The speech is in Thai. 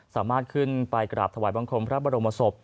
สามารถขึ้นไปกราบถวายบังคมพระบรมศพ